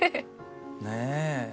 ねえ！